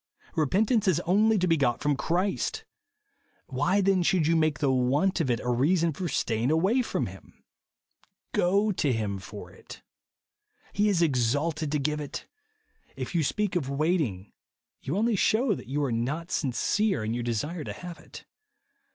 Repentance is only to be got from Christ. Why then should you make the want of it a reason for staying away from him ? Go to Him for it. He is exalted to give it. If you speak of " waiting," you only shew that you are not sincere in your desire to have it.